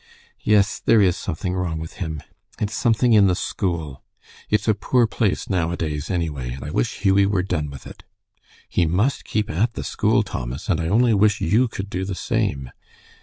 Yes, there is something wrong with him. It's something in the school. It's a poor place nowadays, anyway, and I wish Hughie were done with it." "He must keep at the school, Thomas, and I only wish you could do the same."